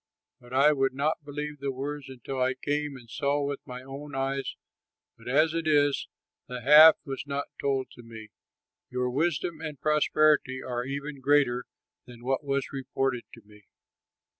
But I would not believe the words until I came and saw with my own eyes; but as it is, the half was not told me; your wisdom and prosperity are even greater than what was reported to me."